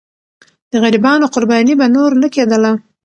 د غریبانو قرباني به نور نه کېدله.